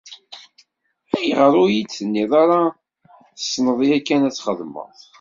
Ayɣer ur iyi-d-tenniḍ ara tessneḍ yakan ad t-txedmeḍ?